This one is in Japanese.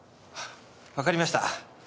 わかりました。